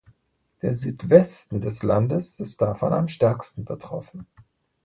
Der Südwesten des Landes ist davon am stärksten betroffen.